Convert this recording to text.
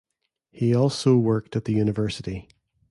He also worked at the University.